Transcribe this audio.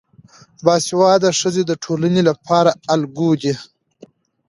باسواده ښځې د ټولنې لپاره الګو دي.